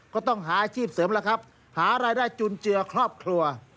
ก็ต้องหาอาชีพเสริมแล้วครับหารายได้จุนเจือครอบครัว